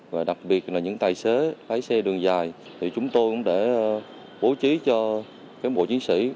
và đặc biệt là những tài xế lái xe đường dài thì chúng tôi cũng đã bố trí cho cán bộ chiến sĩ